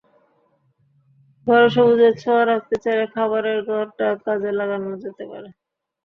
ঘরে সবুজের ছোঁয়া রাখতে চাইলে খাবারের ঘরটা কাজে লাগানো যেতে পারে।